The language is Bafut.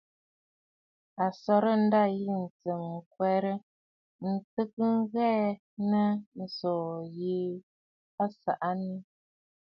A sɔrə̀ ǹdâ yì ntsɨ̀m ŋ̀kwerə ntɨgə ŋghɛɛ nii tso ŋù a saa nii.